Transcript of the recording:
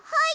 はい！